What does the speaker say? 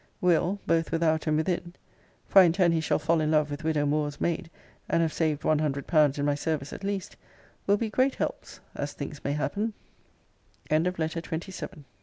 Will. both without and within, [for I intend he shall fall in love with widow Moore's maid, and have saved one hundred pounds in my service, at least,] will be great helps, as things may h